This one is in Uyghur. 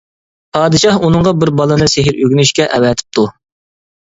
پادىشاھ ئۇنىڭغا بىر بالىنى سېھىر ئۆگىنىشكە ئەۋەتىپتۇ.